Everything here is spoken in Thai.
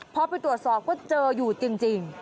พอไปตรวจสอบก็เจออยู่จริง